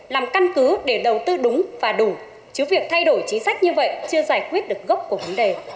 làm căn cứ để đầu tư đúng và đủ chứ việc thay đổi chính sách như vậy chưa giải quyết được gốc của vấn đề